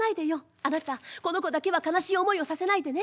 あなたこの子だけは悲しい思いをさせないでね。